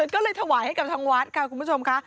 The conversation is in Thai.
ก็เลยถวายให้กับทางวัดค่ะคุณผู้ชมค่ะ